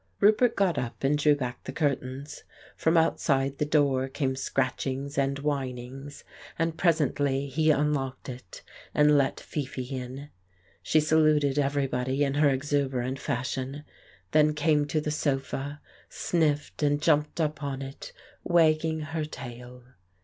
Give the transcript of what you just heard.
Roupert got up and drew back the curtains. From outside the door came scratchings and whinings, and presently he unlocked it, and let Fifi in. She saluted everybody in her exuberant fashion ; then came to the sofa, sniffed and jumped up on it, wagging her tail.